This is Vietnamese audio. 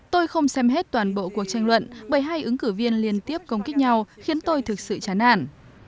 tôi không xem hết toàn bộ cuộc tranh luận bởi hai ứng cử viên liên tiếp công kích nhau khiến tôi thực sự chán nản